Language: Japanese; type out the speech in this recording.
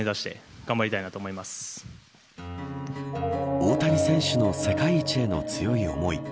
大谷選手の世界一への強い思い